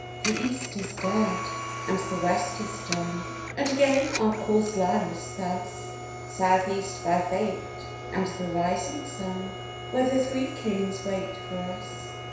The East is dead and the West is done, and again our course lies thus: South east by Fate and the Rising Sun where the Three Kings wait for us.